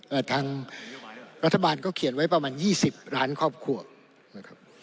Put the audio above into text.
ทางรัฐบาลก็เขียนไว้ประมาณยี่สิบล้านครอบครัวนะครับ